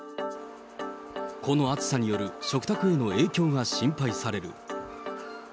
この暑さによる食卓への影響が心配される。